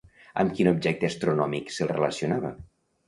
Amb quin objecte astronòmic se'l relacionava?